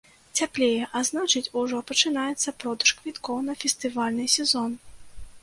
Цяплее, а значыць, ужо пачынаецца продаж квіткоў на фестывальны сезон.